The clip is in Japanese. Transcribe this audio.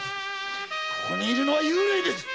ここに居るのは幽霊です！